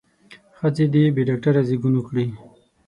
ښځې دې بې ډاکتره زېږون وکړي.